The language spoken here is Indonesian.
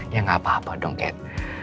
ya gak apa apa dong ket